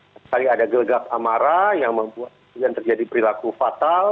sekali ada gelgak amarah yang membuat terjadi perilaku fatal